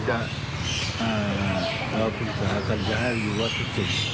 เราพิธีสาธารณะอยู่วัดพระสิงห์๗วัน